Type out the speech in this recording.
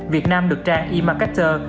việt nam được trang e marketer